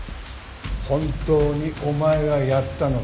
本当にお前がやったのか？